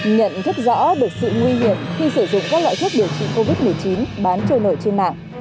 nhận thức rõ được sự nguy hiểm khi sử dụng các loại thuốc điều trị covid một mươi chín bán trôi nổi trên mạng